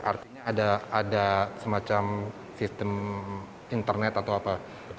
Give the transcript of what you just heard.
artinya ada semacam sistem internet atau apa